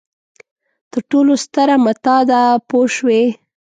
تر ټولو ستره متاع ده پوه شوې!.